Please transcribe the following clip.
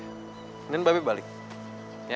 hai mending babi balik ya